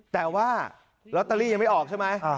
แต่ว่าลอตเตอรี่ยังไม่ออกใช่ไหม